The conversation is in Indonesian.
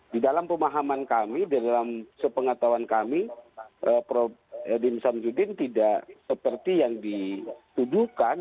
di dalam pemahaman kami di dalam sepengatauan kami prof dim sam sudin tidak seperti yang dituduhkan